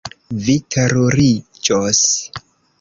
Vi teruriĝos.